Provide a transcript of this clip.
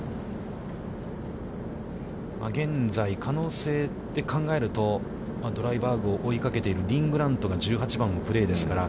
現在可能性で考えると、ドライバーグを追いかけているリン・グラントが１８番をプレーですから。